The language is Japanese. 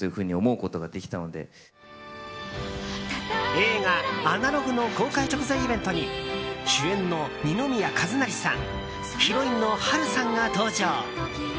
映画「アナログ」の公開直前イベントに主演の二宮和也さんヒロインの波瑠さんが登場。